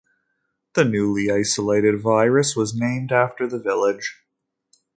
The newly isolated virus was named after the village.